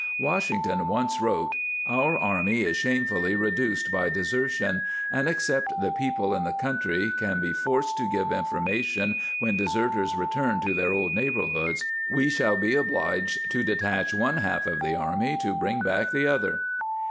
Washington once wrote :" Our army is shame fully reduced by desertion, and except the people in the country can be forced to give information when deserters return to their old neighborhoods, we shall be obliged to detach one half the army to bring back the other."